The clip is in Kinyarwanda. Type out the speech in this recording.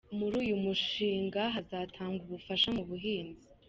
Muri uyu mushinga hatangwa ubufasha mu buhinzi.